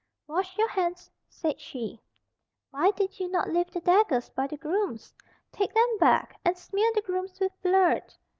"Wash your hands," said she. "Why did you not leave the daggers by the grooms? Take them back, and smear the grooms with blood."